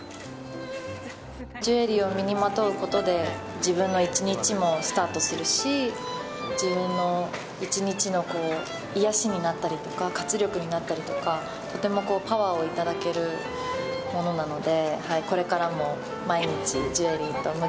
ジュエリーを身にまとうことで自分の１日もスタートするし自分の１日の癒やしになったり活力になったりとかとてもパワーをいただけるものなので。